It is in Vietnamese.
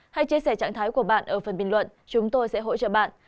hãy chia sẻ trạng thái của bạn ở phần bình luận chúng tôi sẽ hỗ trợ bạn